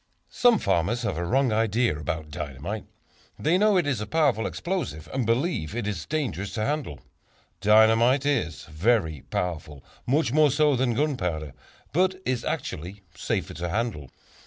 Some farmers have a wrong idea about dynamite. They know it is a powerful explosive, and believe it is dangerous to handle. Dynamite is very powerful, much more so than gunpowder, but is actually safer to handle.